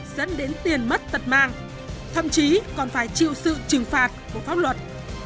dẫn đến tiền mất tật mang thậm chí còn phải chịu sự trừng phạt của pháp luật